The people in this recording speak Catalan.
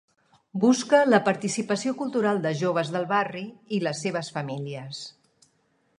Busca la participació cultural de joves del barri i les seves famílies.